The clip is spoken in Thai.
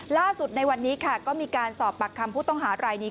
ในวันนี้ค่ะก็มีการสอบปากคำผู้ต้องหารายนี้